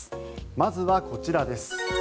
まずはこちらです。